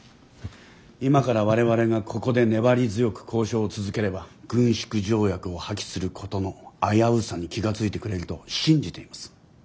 今から我々がここで粘り強く交渉を続ければ軍縮条約を破棄することの危うさに気が付いてくれると信じています。